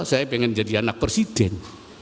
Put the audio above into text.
saya pengen jadi anak presiden